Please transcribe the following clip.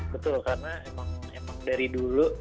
betul karena emang dari dulu